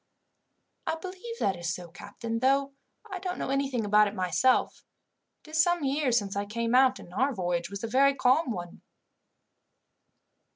"I believe that is so, captain, though I don't know anything about it myself. It is some years since I came out, and our voyage was a very calm one."